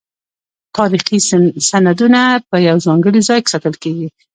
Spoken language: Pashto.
تاریخي سندونه په یو ځانګړي ځای کې ساتل کیږي.